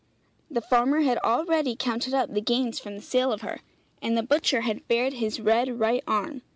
The farmer had already counted up the gains from the sale of her, and the butcher had bared his red right arm.